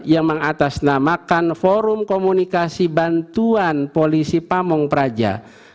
yang mengatasnamakan forum komunikasi bantuan polisi pamung praja